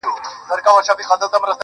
یوه خولگۍ خو مسته، راته جناب راکه~